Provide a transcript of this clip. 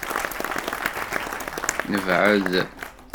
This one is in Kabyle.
Nebɛed.